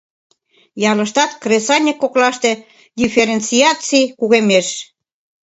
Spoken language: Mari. Ялыштат кресаньык коклаште дифференциаций кугемеш.